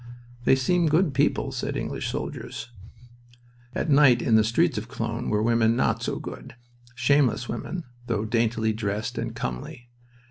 "They seem good people," said English soldiers. At night, in the streets of Cologne, were women not so good. Shameless women, though daintily dressed and comely.